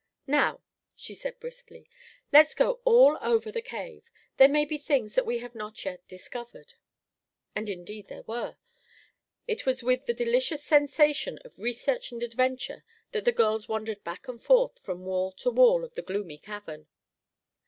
"Now," she said briskly, "let's go all over the cave. There may be things that we have not yet discovered." And indeed there were. It was with the delicious sensation of research and adventure that the girls wandered back and forth from wall to wall of the gloomy cavern.